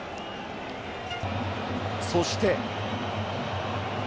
そして。